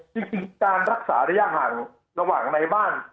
จริงจริงการรักษาได้ยากหังระหว่างในบ้าน